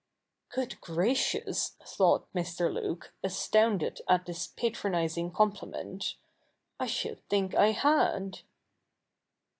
(' Good gracious !' thought Mr. Luke, astounded at this patronising compliment, ' I should think I had.')